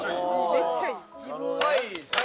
めっちゃいい。